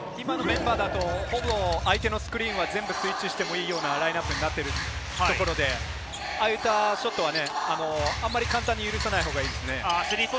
今のメンバーだとほぼ相手のスクリーンはスイッチしてもいいようなラインナップになってるところで、ああいったショットはあまり簡単には許さないほうがいいですね。